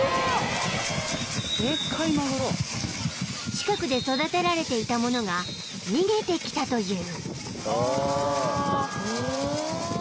［近くで育てられていたものが逃げてきたという］